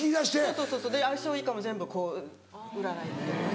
そうそうそう相性いいかも全部こう占ってます。